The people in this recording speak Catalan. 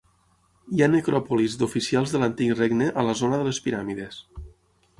Hi ha necròpolis d'oficials de l'antic regne a la zona de les piràmides.